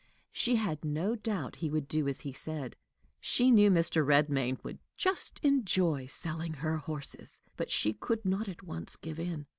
She had no doubt he would do as he said; she knew Mr. Redmain would just enjoy selling her horses. But she could not at once give in.